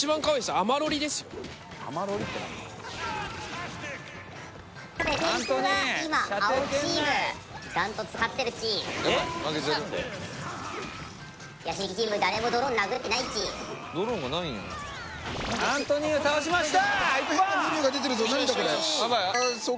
アントニーを倒しました！